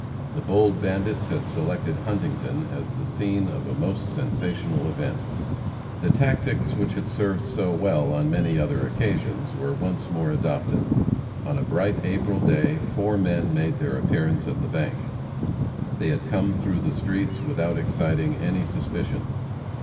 The bold bandits had selected Huntington as the scene of a most sensational event. The tactics which had served so well on many other occasions were once more adopted. On a bright April day, four men made their appearance at the bank. They had come through the streets without exciting any suspicion.